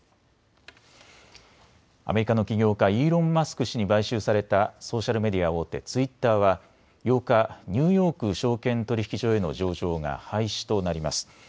アメリカの起業家、イーロン・マスク氏に買収されたソーシャルメディア大手ツイッターは８日、ニューヨーク証券取引所への上場が廃止となります。